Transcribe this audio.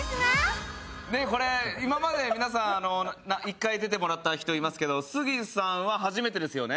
これ今まで皆さん１回出てもらった人いますけどスギさんは初めてですよね？